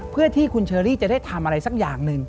เพื่อที่คุณเชอรี่จะได้ทำอะไรสักอย่างหนึ่ง